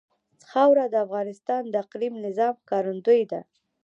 خاوره د افغانستان د اقلیمي نظام ښکارندوی ده.